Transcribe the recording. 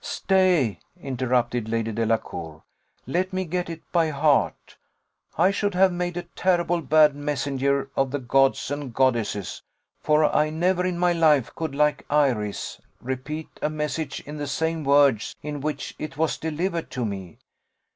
"Stay," interrupted Lady Delacour; "let me get it by heart. I should have made a terrible bad messenger of the gods and goddesses, for I never in my life could, like Iris, repeat a message in the same words in which it was delivered to me.